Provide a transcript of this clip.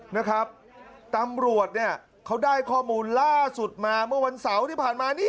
นะครับตำรวจเนี่ยเขาได้ข้อมูลล่าสุดมาเมื่อวันเสาร์ที่ผ่านมานี่